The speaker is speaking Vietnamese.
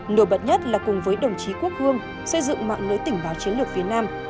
nổi bật nhất là cùng với đồng chí quốc hương xây dựng mạng lưới tỉnh báo chiến lược phía nam